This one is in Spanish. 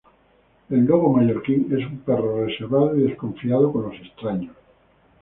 El Dogo Mallorquín es un perro reservado y desconfiado con los extraños.